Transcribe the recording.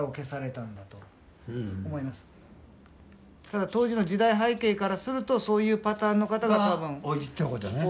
ただ当時の時代背景からするとそういうパターンの方が多分。多いっちゅうことね。